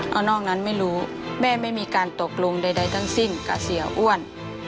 เอานอกนั้นไม่รู้แม่ไม่มีการตกลงใดทั้งสิ้นกับเสียอ้วน